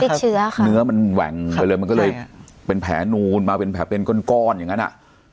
ติดเชื้อค่ะเนื้อมันแหว่งไปเลยมันก็เลยเป็นแผลนูนมาเป็นแผลเป็นก้อนก้อนอย่างนั้นอ่ะ